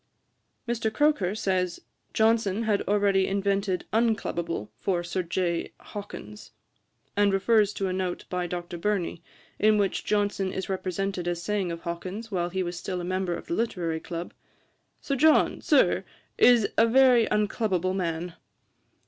Mr. Croker says 'Johnson had already invented unclubable for Sir J. Hawkins,' and refers to a note by Dr. Burney (ante, i. 480, note I), in which Johnson is represented as saying of Hawkins, while he was still a member of the Literary Club: 'Sir John, Sir, is a very unclubable man.'